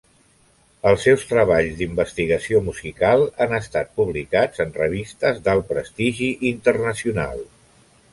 Els seus treballs d'investigació musical han estat publicats en revistes d'alt prestigi internacional.